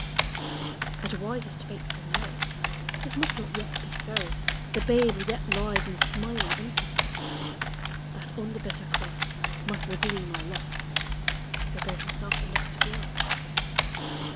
But wisest fate says No This must not yet be so; The babe yet lies in smiling infancy That on the bitter cross Must redeem our loss. So both Himself and us to glorify.